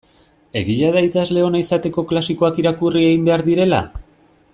Egia da idazle ona izateko klasikoak irakurri egin behar direla?